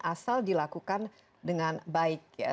asal dilakukan dengan baik ya